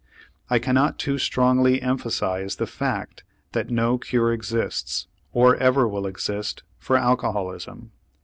I cannot too strongly emphasize the fact that no cure exists, or ever will exist, for alcoholism.